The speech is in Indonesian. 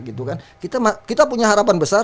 gitu kan kita punya harapan besar